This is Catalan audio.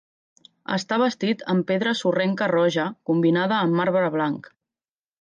Està bastit amb pedra sorrenca roja, combinada amb marbre blanc.